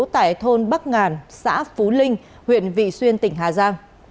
tại thôn bắc ngàn xã phú linh huyện vị xuyên tỉnh hà giang